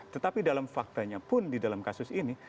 tetapi dalam faktanya pun di dalam kasus ini